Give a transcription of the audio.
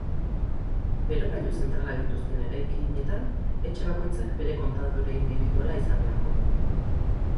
Berogailu zentralak dituzten eraikinetan etxe bakoitzak bere kontadore indibiduala izan beharko du.